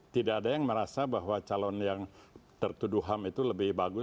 tidak ada yang merasa bahwa calon yang tertuduh ham itu lebih bagus